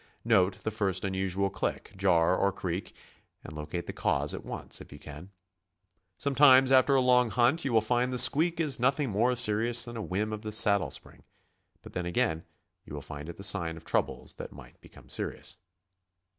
Note the first unusual click, jar, or creak, and locate the cause at once if you can. Sometimes after a long hunt you will find the squeak is nothing more serious than a whim of the saddle spring, but then again you will find it the sign of trouble that might become serious.